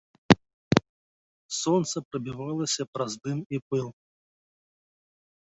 Сонца прабівалася праз дым і пыл.